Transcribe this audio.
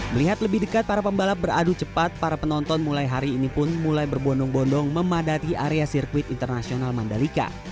melihat lebih dekat para pembalap beradu cepat para penonton mulai hari ini pun mulai berbondong bondong memadati area sirkuit internasional mandalika